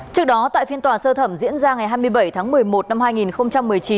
trước đó tại phiên tòa sơ thẩm diễn ra ngày hai mươi bảy tháng một mươi một năm hai nghìn một mươi chín